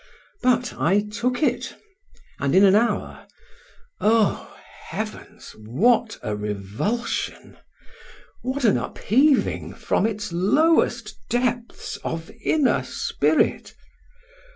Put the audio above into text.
But I took it—and in an hour—oh, heavens! what a revulsion! what an upheaving, from its lowest depths, of inner spirit!